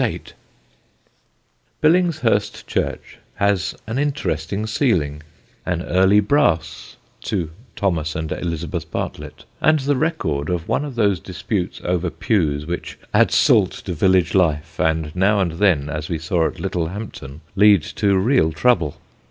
[Sidenote: A VILLAGE DISPUTE] Billingshurst church has an interesting ceiling, an early brass (to Thomas and Elizabeth Bartlet), and the record of one of those disputes over pews which add salt to village life and now and then, as we saw at Littlehampton, lead to real trouble.